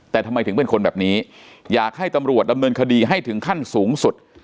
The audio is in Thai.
แต่ทำไมถึงเป็นคนแบบนี้อยากให้ตำรวจดำเนินคดีให้ถึงขั้นสูงสุด